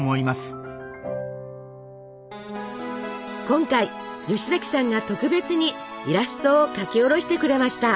今回吉崎さんが特別にイラストを描き下ろしてくれました。